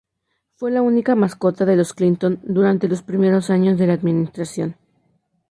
Fue la única mascota de los Clinton durante los primeros años de la administración.